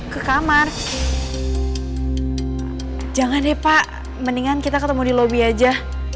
ke kamar jangan deh pak mendingan kita ketemu di lobi aja